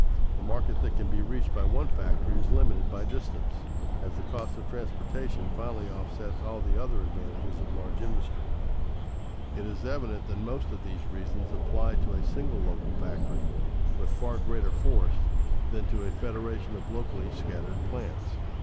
The market that can be reached by one factory is limited by distance, as the cost of transportation finally offsets all the other advantages of large industry. [Sidenote: Do not necessarily limit consolidation] It is evident that most of these reasons apply to a single local factory with far greater force than to a federation of locally scattered plants.